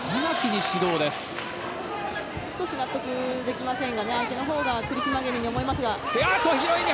少し納得できませんが相手のほうが苦し紛れに思いますが。